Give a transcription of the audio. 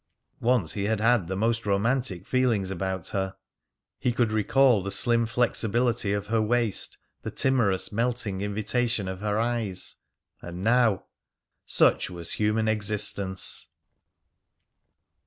Once he had had the most romantic feelings about her. He could recall the slim flexibility of her waist, the timorous, melting invitation of her eyes. And now such was human existence!